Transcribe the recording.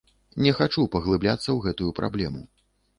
Не хачу паглыбляцца ў гэтую праблему.